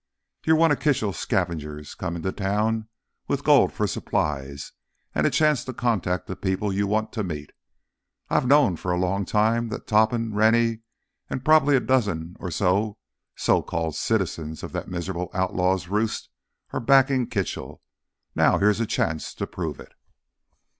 "You're one of Kitchell's scavengers, come into town with gold for supplies and a chance to contact the people you want to meet. I've known for a long time that Topham, Rennie, and probably a dozen other so called citizens of that miserable outlaws' roost are backing Kitchell. Now here's a chance to prove it!"